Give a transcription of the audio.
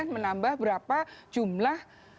menambah berapa jumlah